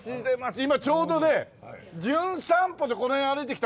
今ちょうどね『じゅん散歩』でこの辺歩いてきた